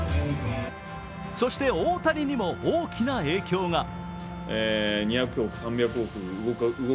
そして大谷にも大きな影響が。